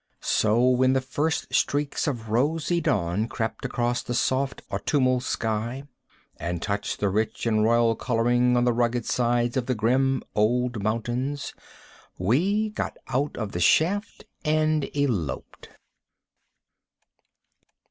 So, when the first streaks of rosy dawn crept across the soft, autumnal sky and touched the rich and royal coloring on the rugged sides of the grim old mountains, we got out of the shaft and eloped.